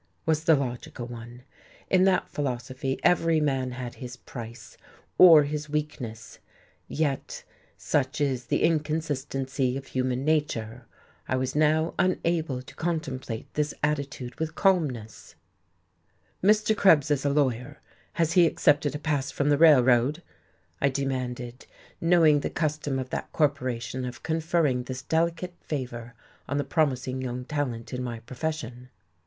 was the logical one. In that philosophy every man had his price, or his weakness. Yet, such is the inconsistency of human nature, I was now unable to contemplate this attitude with calmness. "Mr. Krebs is a lawyer. Has he accepted a pass from the Railroad?" I demanded, knowing the custom of that corporation of conferring this delicate favour on the promising young talent in my profession.